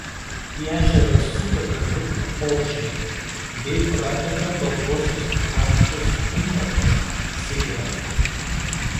Į ežerą suteka du upokšniai bei prateka Baltosios Ančios intakas Seira.